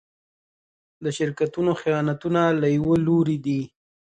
د شرکتونو خیانتونه له يوه لوري دي.